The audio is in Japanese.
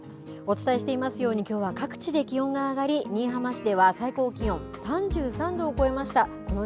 お伝えしていますようにきょうは各地で気温が上がり新居浜市では最高気温３３度を超えました。